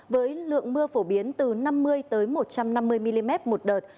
với lượng mưa phổ biến từ năm mươi một trăm năm mươi mm một đợt